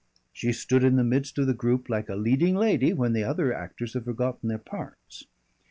She stood in the midst of the group like a leading lady when the other actors have forgotten their parts.